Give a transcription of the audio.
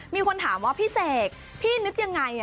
มีคนถามว่าพี่เสกพี่นึกยังไง